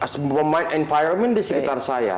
semua environment di sekitar saya